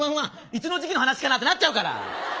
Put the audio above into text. いつの時期の話かなってなっちゃうから！